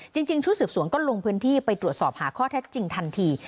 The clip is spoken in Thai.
จริงชุดสืบสวนก็ลงพื้นที่ไปตรวจสอบหาข้อเท็จจริงทันที